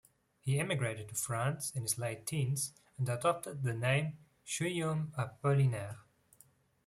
He emigrated to France in his late teens and adopted the name Guillaume Apollinaire.